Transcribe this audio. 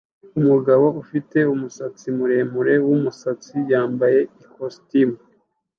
Umugabo ufite umusatsi muremure wumusatsi yambaye ikositimu